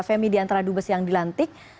femi di antara dubes yang dilantik